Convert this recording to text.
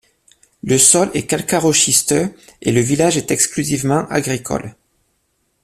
Le sol est calcaro-schisteux et le village est exclusivement agricole.